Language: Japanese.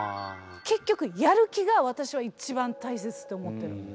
結局やる気が私は一番大切って思ってる。